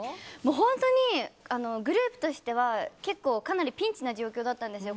本当にグループとしては結構、かなりピンチな状況だったんですよ。